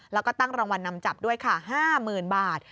แล้วก็ตั้งรางวัลนำจับด้วยค่ะ๕๐๐๐บาท